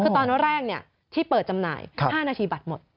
คือตอนแรกที่เปิดจำหน่าย๕นาทีบัตรหมด